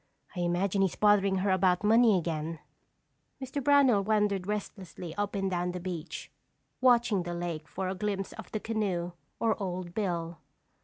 "I imagine he's bothering her about money again." Mr. Brownell wandered restlessly up and down the beach, watching the lake for a glimpse of the canoe or Old Bill.